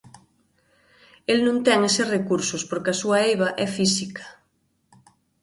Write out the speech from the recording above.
El non ten eses recursos porque a súa eiva é física.